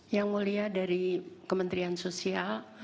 yang mulia dari kementerian sosial